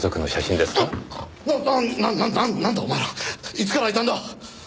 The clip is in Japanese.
いつからいたんだ？